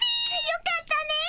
よかったね！